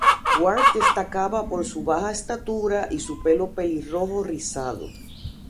Ward destacaba por su baja estatura y su pelo pelirrojo rizado.